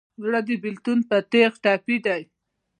زړه د بېلتون په تیغ ټپي دی.